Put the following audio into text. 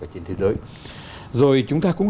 trên thế giới rồi chúng ta cũng